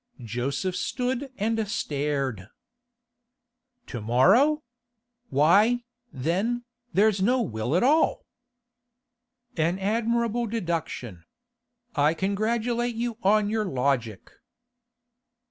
Joseph stood and stared. 'To morrow? Why, then, there's no will at all?' 'An admirable deduction. I congratulate you on your logic.